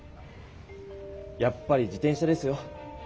やっぱり自転車ですよ。